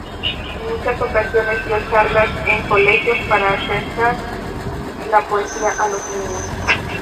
En muchas ocasiones dio charlas en colegios para acercar la poesía a los niños.